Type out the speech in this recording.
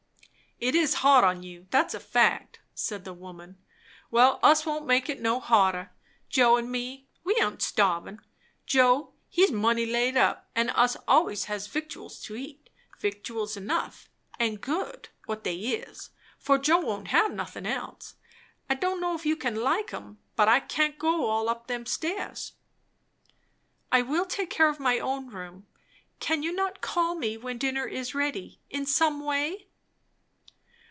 "It's hard on you, that's a fact," said the woman. "Well, us won't make it no harder, Joe and me. We aint starvin'. Joe, he's money laid up; and us always has victuals to eat; victuals enough; and good, what they is, for Joe won't have nothin' else. I don' know if you can like 'em. But I can't go up all them stairs." "I will take care of my own room. Cannot you call me when dinner is ready, in some way?"